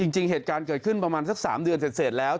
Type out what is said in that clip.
เหตุการณ์เกิดขึ้นประมาณสัก๓เดือนเสร็จแล้ว